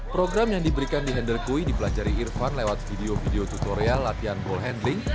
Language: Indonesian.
program yang diberikan di henderqui dipelajari irfan lewat video video tutorial latihan ball handling